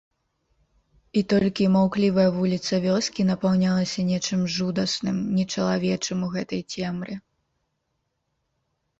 І толькі маўклівая вуліца вёскі напаўнялася нечым жудасным, нечалавечым у гэтай цемры.